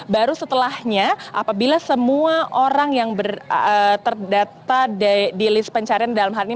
baru setelahnya apabila semua orang yang terdata di list pencarian dalam hal ini